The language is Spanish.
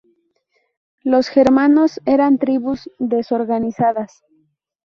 Los germanos eran tribus desorganizadas.